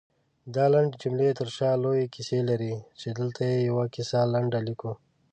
دالنډې جملې ترشا لويې کيسې لري، چې دلته يې يوه کيسه لنډه ليکو